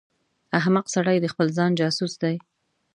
احمق سړی د خپل ځان جاسوس دی.